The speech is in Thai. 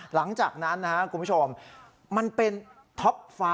หลังจากนั้นนะครับคุณผู้ชมมันเป็นท็อปฟ้า